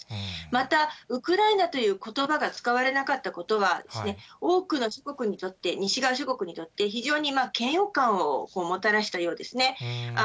またウクライナということばが使われなかったことは、多くの諸国にとって、西側諸国にとって、非常に嫌悪感をもたらしたようですね。